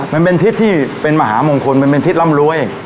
มันเป็นทิศที่เป็นมหามงคลมันเป็นทิศร่ำรวย